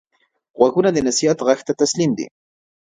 غوږونه د نصیحت غږ ته تسلیم دي